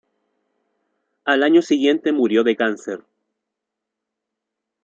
Al año siguiente murió de cáncer.